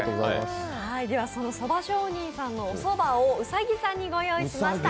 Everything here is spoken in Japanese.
その蕎上人さんのおそばを兎さんにご用意しました。